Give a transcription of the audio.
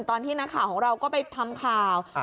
ตอนที่นักข่าวของเราก็ไปทำข่าว